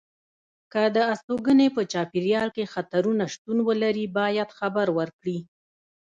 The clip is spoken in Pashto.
که د استوګنې په چاپېریال کې خطرونه شتون ولري باید خبر ورکړي.